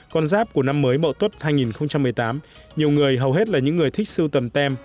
con giáp của năm mới mậu tuất hai nghìn một mươi tám nhiều người hầu hết là những người thích sưu tầm têm